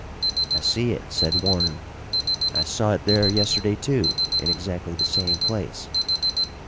"I see it," said Warner. "I saw it there yesterday, too, in exactly the same place."